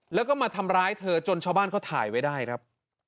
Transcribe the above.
แล้วก็มาทำร้ายเธอจนชาวบ้านเขาถ่ายไว้ได้ครับ